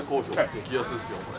激安ですよこれ。